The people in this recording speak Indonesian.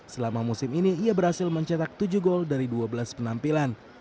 selama musim ini ia berhasil mencetak tujuh gol dari dua belas penampilan